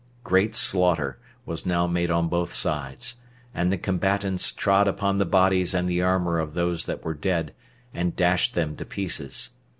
Great slaughter was now made on both sides, and the combatants trod upon the bodies and the armor of those that were dead, and dashed them to pieces.